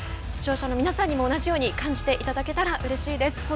視聴者の皆さんにも同じように感じていただけたらうれしいです。